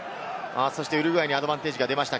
ウルグアイにアドバンテージが出ました。